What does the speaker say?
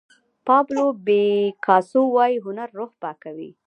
پابلو پیکاسو وایي هنر روح پاکوي.